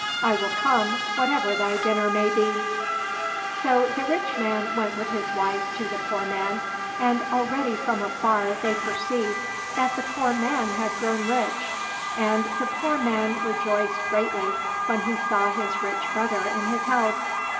" I will come whatever thy dinner may be." 41 COSSACK FAIRY TALES So the rich man went with his wife to the poor man, and already from afar they perceived that the poor man had grown rich. And the poor man rejoiced greatly when he saw his rich brother in his house.